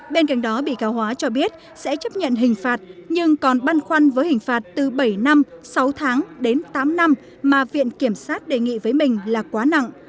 bên cạnh đó bị cáo hóa cho biết sẽ chấp nhận hình phạt nhưng còn băn khoăn với hình phạt từ bảy năm sáu tháng đến tám năm mà viện kiểm sát đề nghị với mình là quá nặng